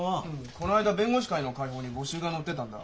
この間弁護士会の会報に募集が載ってたんだ。